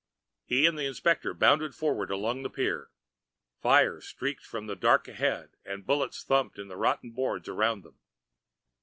He and the inspector bounded forward along the pier. Fire streaked from the dark ahead and bullets thumped the rotting boards around them.